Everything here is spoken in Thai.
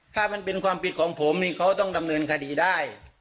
ถ้ามันเป็นความผิดของผมนี่เขาต้องดำเนินคดีได้